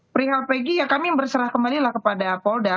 perihal pg ya kami berserah kembali lah kepada polda